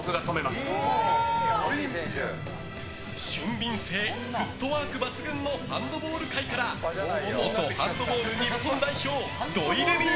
俊敏性、フットワーク抜群のハンドボール界から元ハンドボール日本代表土井レミイ